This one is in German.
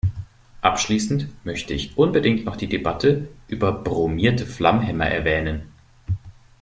Abschließend möchte ich unbedingt noch die Debatte über bromierte Flammhemmer erwähnen.